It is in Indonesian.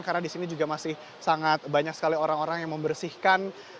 karena di sini juga masih sangat banyak sekali orang orang yang membersihkan